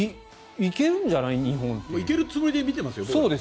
行けるつもりで見てますよ僕。